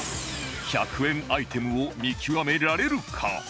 １００円アイテムを見極められるか？